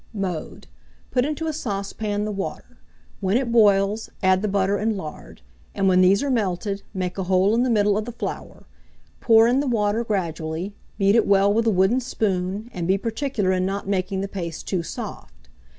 Mode. Put into a saucepan the water; when it boils, add the butter and lard; and when these are melted, make a hole in the middle of the flour; pour in the water gradually; beat it well with a wooden spoon, and be particular in not making the paste too soft.